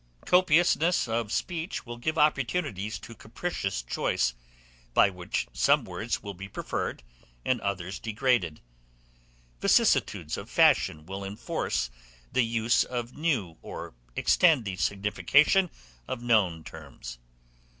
Copiousness of speech will give opportunities to capricious choice, by which some words will be preferred, and others degraded; vicissitudes of fashion will enforce the use of new, or extend the signification of known terms.